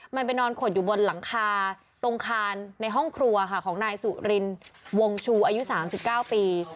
มันไปนอนขดอยู่บนหลังคาตรงคานในห้องครัวค่ะของนายสุรินวงชูอายุ๓๙ปี